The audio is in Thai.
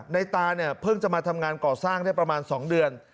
ตาเนี่ยเพิ่งจะมาทำงานก่อสร้างได้ประมาณ๒เดือน